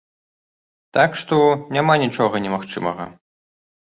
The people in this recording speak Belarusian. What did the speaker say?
Так што, няма нічога немагчымага.